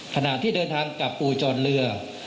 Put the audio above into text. ขณะที่เดินทางกลับอู่จอดเรือ